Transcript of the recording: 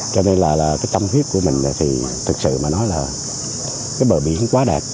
cho nên là tâm huyết của mình là thực sự mà nói là bờ biển quá đẹp